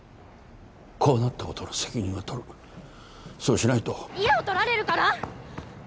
こうなったことの責任は取るそうしないと家を取られるから？